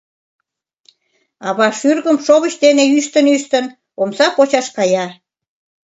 Ава, шӱргыжым шовыч дене ӱштын-ӱштын, омса почаш кая.